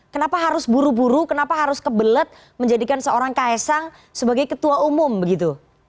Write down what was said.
kenapa harus buru buru kenapa harus kebelet menjadikan seorang ks sang sebagai ketua umum begitu